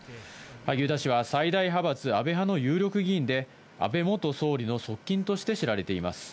萩生田氏は、最大派閥、安倍派の有力議員で、安倍元総理の側近として知られています。